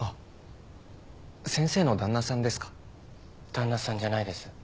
旦那さんじゃないです。